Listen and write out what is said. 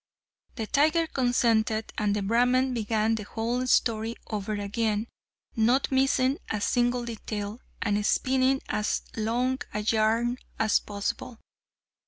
The tiger consented, and the Brahman began the whole story over again, not missing a single detail, and spinning as long a yarn as possible.